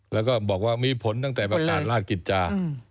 แล้วก็บอกว่ามีผลตั้งแต่ประกาศราชกิจจา